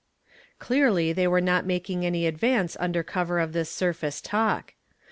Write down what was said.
Clearly they were not making any advance under cover of this surface talk.